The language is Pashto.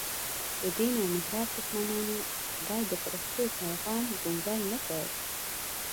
د دین او محراب دښمنانو د خدای د فرښتو پیغام ګونګی نه کړ.